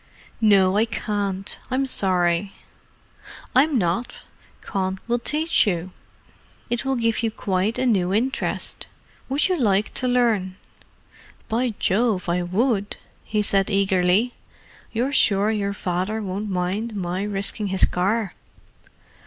"No, I can't! I'm sorry." "I'm not. Con will teach you—it will give you quite a new interest. Would you like to learn?" "By Jove, I would," he said eagerly. "You're sure your father won't mind my risking his car?"